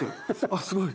あすごい。